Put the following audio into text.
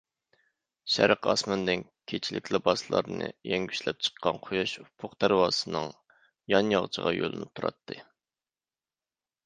شەرق ئاسمىنىدىن كېچىلىك لىباسلىرىنى يەڭگۈشلەپ چىققان قۇياش ئۇپۇق دەرۋازىسىنىڭ يان ياغىچىغا يۆلىنىپ تۇراتتى.